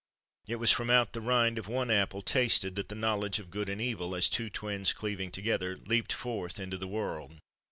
It was from out the rind of one apple tasted that the knowledge of good and evil, as two twins cleaving together, leaped forth into the world.